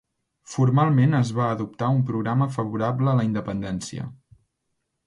Formalment es va adoptar un programa favorable a la independència.